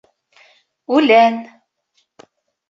— Үлән.